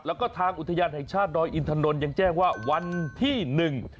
แล้วก็ทางอุทยานแห่งชาติดอยอินทนนท์ยังแจ้งว่าวันที่หนึ่ง